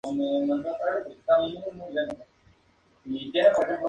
Consta además que asaltó la cárcel de Bayona y consiguiendo liberar a cuatro presos.